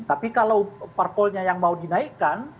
tapi kalau parpolnya yang mau dinaikkan